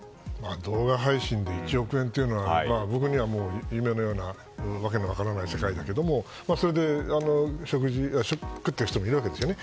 動画配信で１億円というのは僕には夢のようなわけの分からない世界だけれどそれで食っている人もいるわけですよね。